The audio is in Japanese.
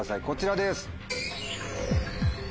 こちらです。